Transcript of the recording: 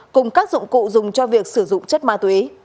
cùng các dụng cụ dùng cho việc sử dụng chất ma túy